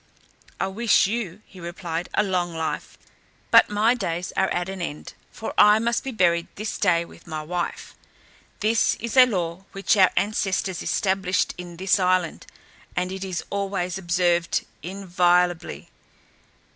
"I wish you," he replied, "a long life; but my days are at an end, for I must be buried this day with my wife. This is a law which our ancestors established in this island, and it is always observed inviolably.